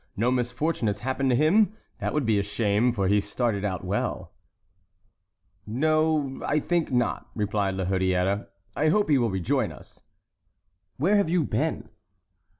No misfortune has happened to him? That would be a shame, for he started out well." "No, I think not," replied La Hurière; "I hope he will rejoin us!" "Where have you been?"